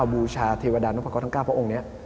บูชาเทวดานพกรทั้ง๙พระองค์นี้